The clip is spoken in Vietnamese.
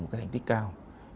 một cái thành tích cao